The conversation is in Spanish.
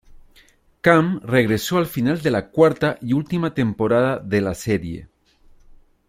Cam regresó al final de la cuarta y última temporada de la serie.